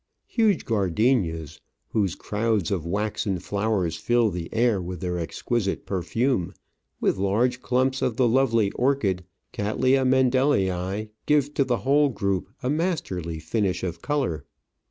Huge gardenias, whose crowds of waxen flowers fill the air with their exquisite perfume, with large clumps of the lovely orchid Cattleya Mendelii, give to the whole group a masterly finish of colour.